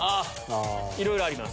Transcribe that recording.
いろいろあります。